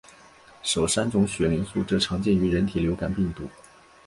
首三种血凝素则常见于人类流感病毒。